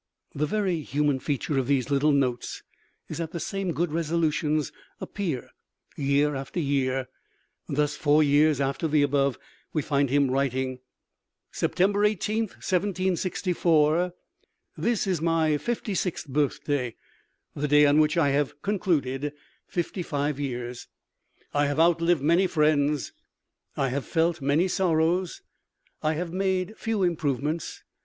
The very human feature of these little notes is that the same good resolutions appear year after year. Thus, four years after the above, we find him writing: Sept. 18, 1764. This is my 56th birthday, the day on which I have concluded 55 years. I have outlived many friends, I have felt many sorrows. I have made few improvements.